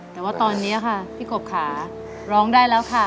แต่ว่าตอนนี้ค่ะพี่กบค่ะร้องได้แล้วค่ะ